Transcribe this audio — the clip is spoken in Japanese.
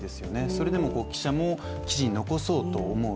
それでも記者も記事に残そうと思う